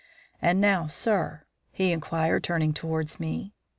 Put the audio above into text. And now, sir? " he inquired, turning towards me.